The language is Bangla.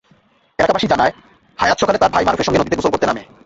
এলাকাবাসী জানায়, হায়াত সকালে তার ভাই মারুফের সঙ্গে নদীতে গোসল করতে নামে।